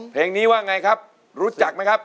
เพลงนี้ว่าไงครับรู้จักไหมครับ